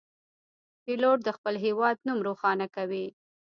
پیلوټ د خپل هیواد نوم روښانه کوي.